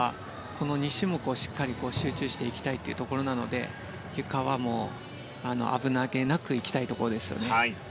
この２種目をしっかり集中していきたいところなのでゆかは危なげなくいきたいところですね。